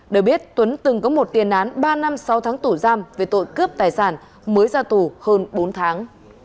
để biết tuấn từng có một tiền án ba năm sau tháng tủ giam về tội cướp tài sản mới ra tù hơn bốn tháng